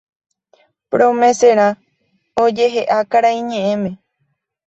promesera oje'eha karai ñe'ẽme